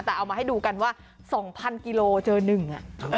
แต่เอามาให้ดูกันว่า๒๐๐กิโลเจอ๑อ่ะ